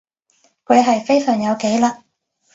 佢係非常有紀律